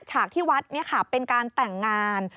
ฉากที่วัดเนี่ยค่ะเป็นการแต่งงาน